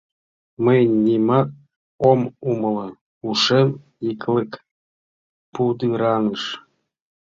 Мый нимат ом умыло, ушем йыклык пудыраныш.